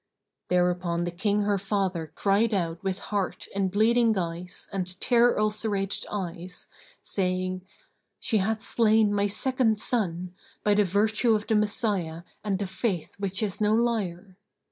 Thereupon the King her father cried out with heart in bleeding guise and tear ulcerated eyes, saying, "She hath slain my second son, by the virtue of the Messiah and the Faith which is no liar!"